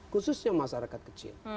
khususnya masyarakat kecil